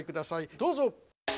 どうぞ！